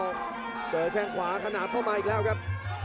เจอแข้งขวาขนาดเข้ามาอีกแล้วครับ